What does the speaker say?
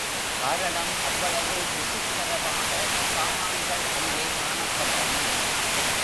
காரணம் அவ்வளவு விசித்தரமாக சாமான்கள் அங்கே காணப்பட்டன.